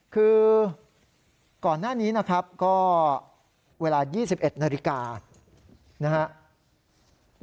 คือก่อนหน้านี้นะครับก็เวลา๒๑นาฬิกานะครับ